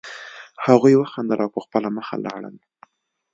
هغوی وخندل او په خپله مخه لاړل